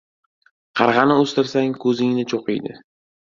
• Qarg‘ani o‘stirsang, ko‘zingni cho‘qiydi.